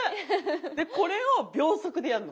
でこれを秒速でやんの。